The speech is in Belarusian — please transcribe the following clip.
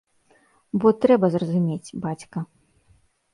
Бо трэба зразумець, бацька.